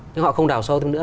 nhưng họ không đào sâu thêm nữa